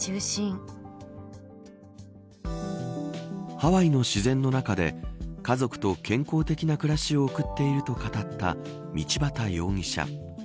ハワイの自然の中で家族と健康的な暮らしを送っていると語った道端容疑者。